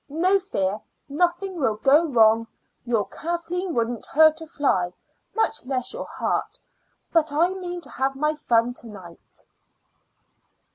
No fear; nothing will go wrong. Your Kathleen wouldn't hurt a fly, much less your heart. But I mean to have my fun to night."